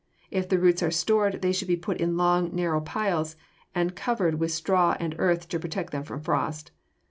If the roots are stored they should be put in long, narrow piles and covered with straw and earth to protect them from frost.